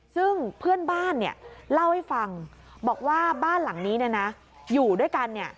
ซึ่งเพื่อนบ้านเล่าให้ฟังบอกว่าบ้านหลังนี้อยู่ด้วยกัน